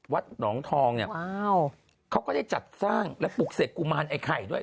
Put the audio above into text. วัดหนองทองเนี่ยเขาก็ได้จัดสร้างและปลูกเสกกุมารไอ้ไข่ด้วย